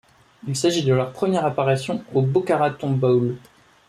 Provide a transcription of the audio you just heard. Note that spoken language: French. Il s'agit de leur première apparition au Boca Raton Bowl.